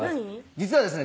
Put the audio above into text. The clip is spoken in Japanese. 実はですね